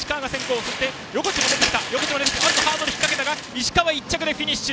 石川、１着でフィニッシュ。